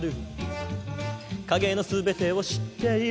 「影の全てを知っている」